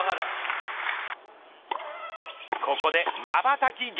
ここでまばたき